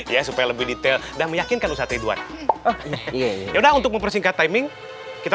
ya supaya lebih detail dan meyakinkan usaha ridwan ya udah untuk mempersingkat timing kita